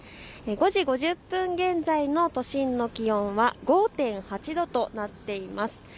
５時５０分現在の都心の気温は５．８度となっています。